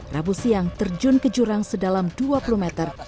rabu siang terjun ke jurang sedalam dua puluh meter